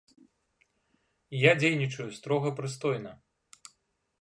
Я дзейнічаю строга прыстойна.